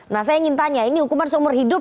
nah saya ingin tanya ini hukuman seumur hidup